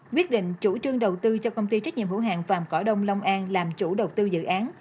quyết định chủ trương đầu tư cho công ty trách nhiệm hữu hàng vàm cỏ đông long an làm chủ đầu tư dự án